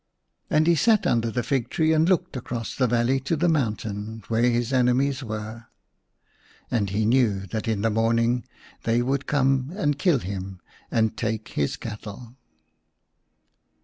And he sat under the fig tree and looked across the valley to the mountain where his enemies were ; and he knew that in the morning they would come and kill him and take his cattle.